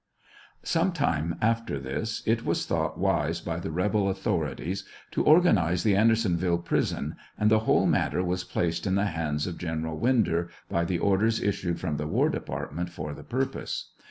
Some time after this it was thought wise by the rebel authorities to organize the Andersoaville prison, and the whole matter was placed in the hands of Gen eral Winder by the orders issued from the war department for the purpose.